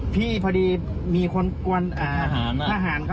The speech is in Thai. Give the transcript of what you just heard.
พี่พอดีมีคนกวนอาหารนะ